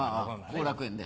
後楽園で。